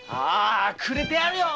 くれてやる